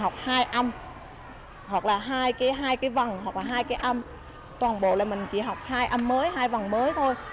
toàn bộ là mình chỉ học hai âm mới hai vòng mới thôi